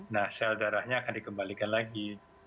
nah sel darahnya akan dikembalikan lagi